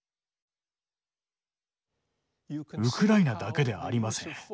ウクライナだけでありません。